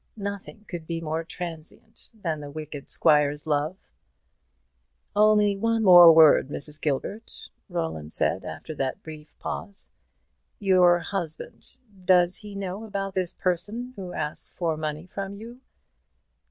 Nothing could be more transient than the wicked squire's love. "Only one word more, Mrs. Gilbert," Roland said, after that brief pause. "Your husband does he know about this person who asks for money from you?"